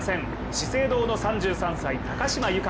資生堂の３３歳、高島由香。